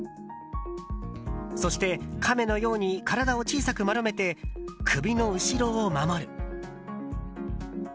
そして、かめのように体を小さく丸めて首の後ろを守る。